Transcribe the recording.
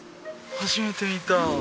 初めて見た！